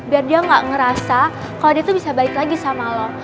biar dia gak ngerasa kalau dia tuh bisa balik lagi sama lo